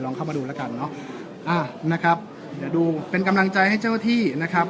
เข้ามาดูแล้วกันเนอะอ่านะครับเดี๋ยวดูเป็นกำลังใจให้เจ้าที่นะครับ